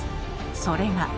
それが。